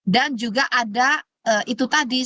dan juga ada itu tadi